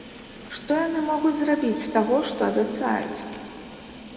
Што яны могуць зрабіць з таго, што абяцаюць?